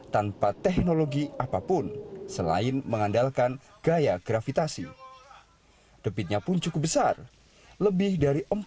tanpa teknologi apapun selain mengandalkan gaya gravitasi debitnya pun cukup besar lebih dari